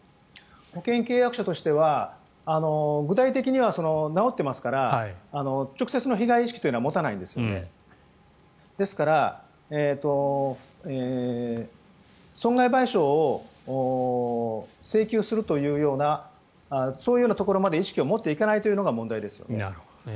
保険契約者としては具体的には直っていますから直接の被害意識は持たないですのでですから、損害賠償を請求するというようなそういうようなところまで意識を持っていかないというのが問題ですよね。